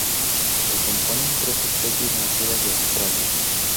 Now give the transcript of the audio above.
Lo componen tres especies nativas de Australasia.